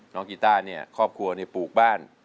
กีต้าเนี่ยครอบครัวปลูกบ้าน